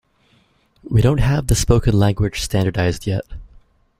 We don't have the spoken language standardised yet.